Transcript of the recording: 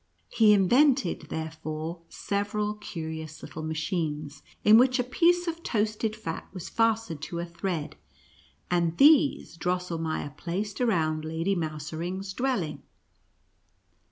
He invented therefore several curious little machines, in which a piece of toasted fat was fastened to a thread, and these Drosselmeier placed around lady Mouserings' dwelling.